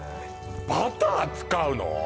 バター使うの！？